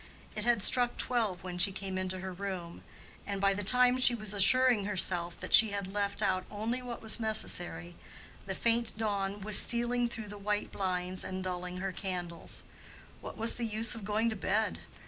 It had struck twelve when she came into her room, and by the time she was assuring herself that she had left out only what was necessary, the faint dawn was stealing through the white blinds and dulling her candles. What was the use of going to bed?